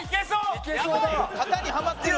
肩にはまってる。